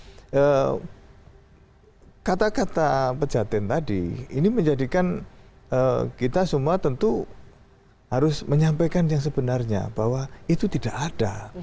jadi kata kata pejahatan tadi ini menjadikan kita semua tentu harus menyampaikan yang sebenarnya bahwa itu tidak ada